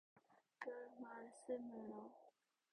별 말씀을요.